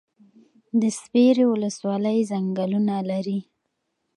د سپیرې ولسوالۍ ځنګلونه لري